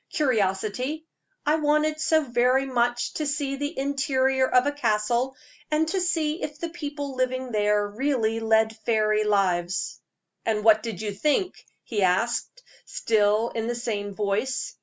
"Curiosity. I wanted so very much to see the interior of a castle, and to see if the people living there really led fairy lives." "And what did you think?" he asked, still in the same voice.